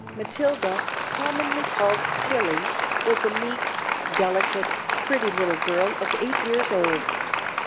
Matilda, commonly called Tilly, was a meek, delicate, pretty little girl of eight years old.